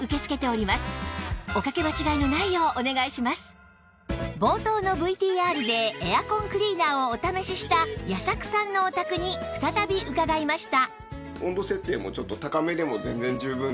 さらに冒頭の ＶＴＲ でエアコンクリーナーをお試しした矢作さんのお宅に再び伺いました